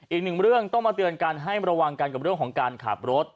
อีกหนึ่งเรื่องต้องมาเตือนกันให้ระวังกันกับเรื่องของการขับรถ